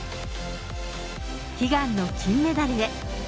悲願の金メダルへ。